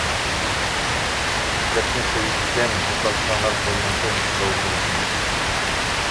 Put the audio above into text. دەپمۇ قۇيىدىكەن يوقاتساڭلار بولمامدۇ مۇشۇ لاۋزىلىقنى.